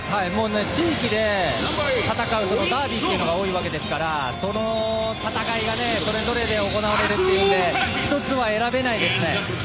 地域で戦うダービーが多いわけですから戦いがそれぞれで行われるというんで１つに選べないですね。